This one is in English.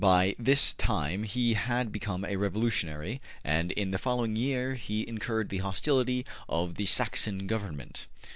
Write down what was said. '' By this time he had become a revolutionary, and in the following year he incurred the hostility of the Saxon Government.